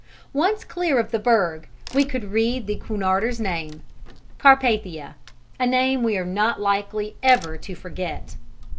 Once clear of the berg, we could read the Cunarder's name C A R P A T H I A a name we are not likely ever to forget.